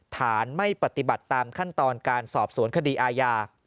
ฐานไม่ปฏิบัติตามขั้นตอนการสอบสวนคดีอาญา